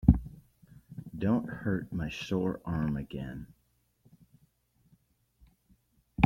Don't hurt my sore arm again.